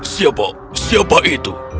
siapa siapa itu